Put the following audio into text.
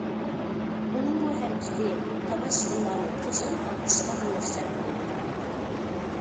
ئۇنىڭ بۇ ھەرىكىتى تاماشىبىنلارنىڭ قىزغىن ئالقىشىغا مۇيەسسەر بولدى.